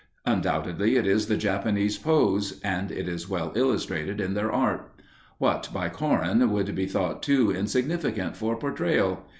Undoubtedly it is the Japanese pose, and it is well illustrated in their art. What by Korin would be thought too insignificant for portrayal?